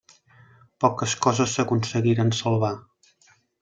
Poques coses s'aconseguiren salvar.